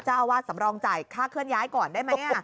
เจ้าอาวาสสำรองจ่ายค่าเคลื่อนย้ายก่อนได้ไหม